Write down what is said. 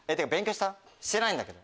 してないんだけど。